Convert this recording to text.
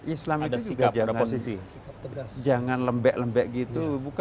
islam itu juga jangan lembek lebek gitu